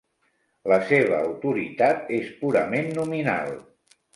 La seva autoritat és purament nominal.